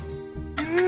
うん！